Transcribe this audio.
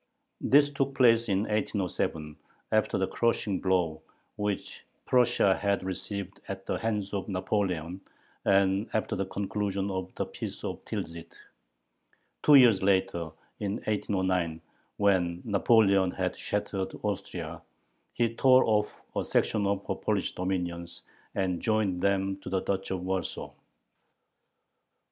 This took place in 1807, after the crushing blow which Prussia had received at the hands of Napoleon and after the conclusion of the Peace of Tilsit. Two years later, in 1809, when Napoleon had shattered Austria, he tore off a section of her Polish dominions, and joined them to the Duchy of Warsaw.